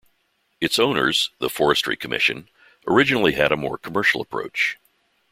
Its owners, the Forestry Commission, originally had a more commercial approach.